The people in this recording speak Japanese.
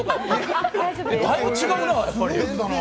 だいぶ違うな。